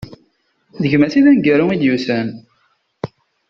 D gma-s i d aneggaru i d-yusan.